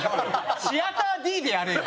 シアターＤでやれよ。